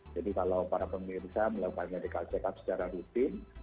jadi kalau para pemirsa melakukan medical check up secara rutin